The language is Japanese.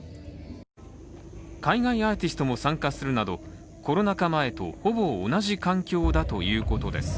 海外アーティストも参加するなど、コロナ禍前とほぼ同じ環境だということです。